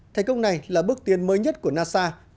thành công này là bước tiến mới nhất của nasa